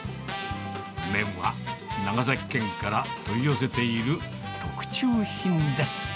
麺は長崎県から取り寄せている特注品です。